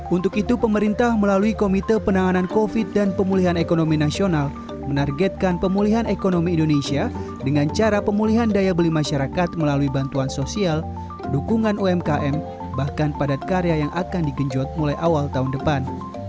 untuk itu pemerintah melalui komite penanganan covid dan pemulihan ekonomi nasional menargetkan pemulihan ekonomi indonesia dengan cara pemulihan daya beli masyarakat melalui bantuan sosial dukungan umkm bahkan padat karya yang akan digenjot mulai awal tahun depan